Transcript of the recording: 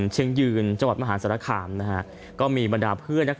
เชียงยืนจังหวัดมหาสรรคามนะฮะก็มีบรรดาเพื่อนนัก